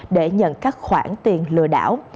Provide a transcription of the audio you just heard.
để nhận các khoản tiền lừa đảo